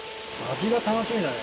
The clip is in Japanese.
味が楽しみだね。